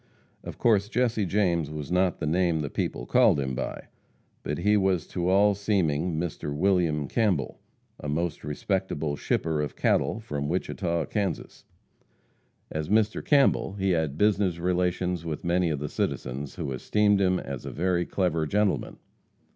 Of course Jesse James was not the name the people called him by, but he was to all seeming Mr. William Campbell, a most respectable shipper of cattle from Wichita, Kansas. As Mr. Campbell, he had business relations with many of the citizens, who esteemed him as "a very clever gentleman."